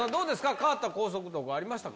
変わった校則とかありましたか？